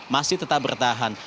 masih tetap bertahan